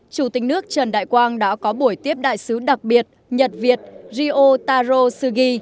chủ tịch nước trần đại quang đã có buổi tiếp đại sứ đặc biệt nhật việt rio taro sugi